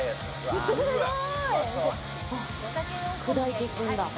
すごい！砕いていくんだ。